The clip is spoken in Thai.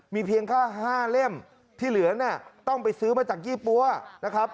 มีเพียงแค่๕เล่มที่เหลือเนี่ยต้องไปซื้อมาจากยี่ปั๊วนะครับ